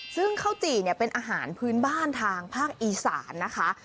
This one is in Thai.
ซึ่งข้าวจี่เนี่ยเป็นอาหารพื้นบ้านทางภาคอีสานนะคะ